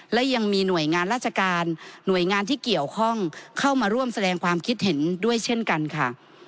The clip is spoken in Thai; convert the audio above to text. และยังมีหน่วยงานราชการหน่วยงานที่เกี่ยวข้องเข้ามาร่วมแสดงความคิดเห็นด้วยเช่นกันค่ะ